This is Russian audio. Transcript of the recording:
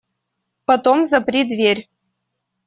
Потом запри дверь.